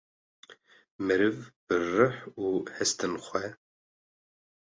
Meriv bi rih û hestin xwe